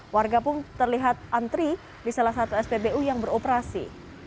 warga pun terlihat antri di salah satu spbu yang beroperasi